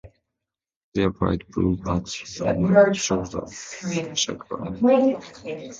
There are bright blue patches on the shoulders, supercilia and forehead.